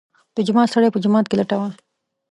د جومات سړی په جومات کې لټوه.